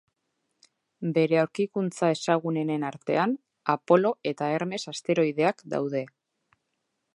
Bere aurkikuntza ezagunenen artean Apolo eta Hermes asteroideak daude.